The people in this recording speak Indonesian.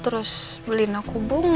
terus beliin aku bunga